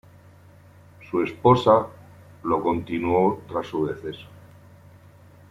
Su esposa lo continuó tras su deceso.